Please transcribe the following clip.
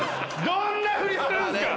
どんな振りするんすか！